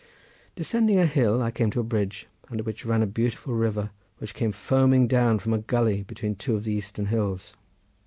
Descending a hill, I came to a bridge, under which ran a beautiful river, which came foaming down from a gulley between two of the eastern hills.